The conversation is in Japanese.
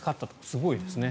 すごいですね。